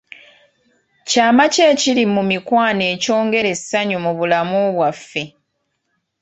Kyama ki ekiri mu mikwano ekyongera essanyu mu bulamu bwaffe?